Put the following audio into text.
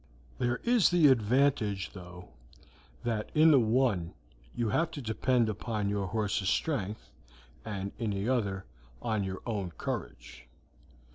There is the advantage, though, that in the one you have to depend upon your horse's strength, and in the other on your own courage."